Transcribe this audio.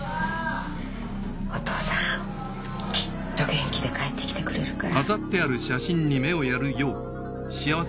お父さんきっと元気で帰ってきてくれるから。